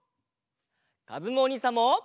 かずむおにいさんも！